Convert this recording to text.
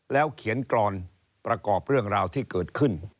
เขียนกรอนประกอบเรื่องราวที่เกิดขึ้น